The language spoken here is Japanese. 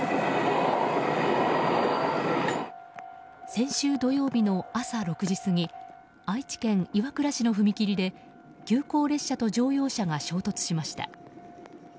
先週土曜日の朝６時過ぎ愛知県岩倉市の踏切で急行列車と乗用車が衝突しました。